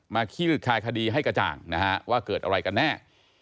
ขี้คายคดีให้กระจ่างนะฮะว่าเกิดอะไรกันแน่